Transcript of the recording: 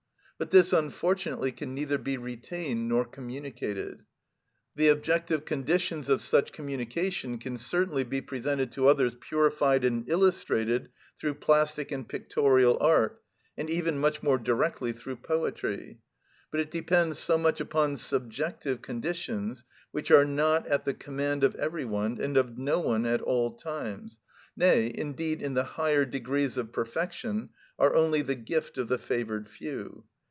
But this unfortunately can neither be retained nor communicated. The objective conditions of such communication can certainly be presented to others purified and illustrated through plastic and pictorial art, and even much more directly through poetry; but it depends so much upon subjective conditions, which are not at the command of every one, and of no one at all times, nay, indeed in the higher degrees of perfection, are only the gift of the favoured few.